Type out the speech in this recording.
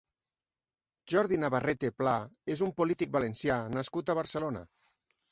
Jordi Navarrete Pla és un polític valencià nascut a Barcelona.